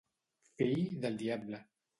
Fill del diable.